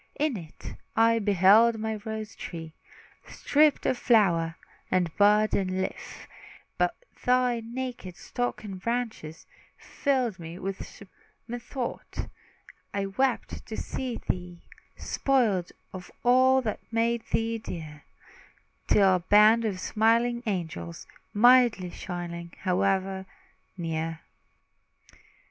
In it, I beheld my rose tree Stripped of flower, and bud and leaf; While thy naked stalk and branches Filled me with surprise and grief. Then, methought, I wept to see thee Spoiled of all that made thee dear, Till a band of smiling angels Mildly shining, hovered near.